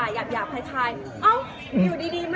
โอ้ยทุกคนคะพี่สงกันเมื่อกี้ค่ะ